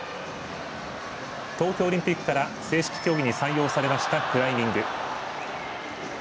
東京オリンピックから正式競技に採用されましたクライミング。